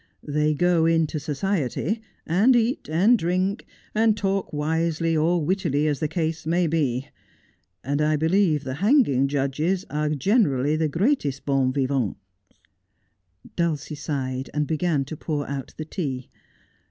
They go into society, and eat and drink, and talk wisely or wittily, as the case may be ; and I believe the hanging judges are generally the greatest bons vivants.' Dulcie sighed, and began to pour out the tea.